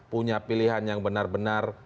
punya pilihan yang benar benar